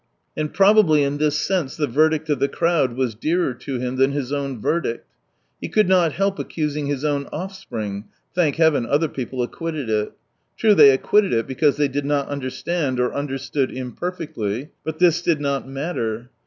And probably in this sense the verdict of the crowd was dearer to him than his own verdict. He could not help accusing his own offsprings — thank heaven, other people acquitted it. True, they acquitted it because they did not understand, or understood imperfectly, but this did not matter.